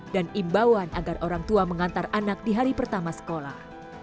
dan imbauan agar orang tua mengantar anak di hari pertama sekolah